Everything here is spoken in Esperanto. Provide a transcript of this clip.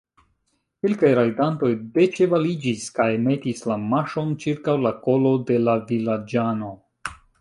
Kelkaj rajdantoj deĉevaliĝis kaj metis la maŝon ĉirkaŭ la kolo de la vilaĝano.